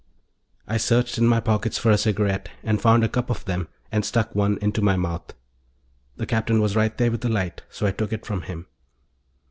I searched in my pockets for a cigarette and found a cup of them and stuck one into my mouth. The Captain was right there with a light, so I took it from him.